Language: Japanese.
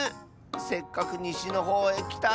せっかくにしのほうへきたのに。